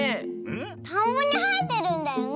たんぼにはえてるんだよね。